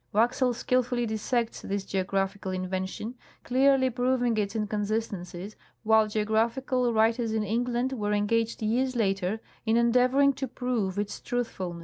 Waxel skilfully dissects this geographical invention, clearly proving its inconsistencies, while geographical writers in England were engaged years later in endeavoring to prove its truthfulness.